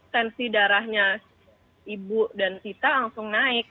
tensi darahnya ibu dan tita langsung naik